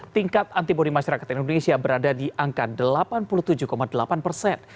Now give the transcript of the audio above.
tingkat antibody masyarakat indonesia berada di angka delapan puluh tujuh delapan persen